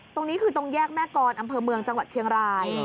ตรงนี้คือตรงแยกแม่กรอำเภอเมืองจังหวัดเชียงราย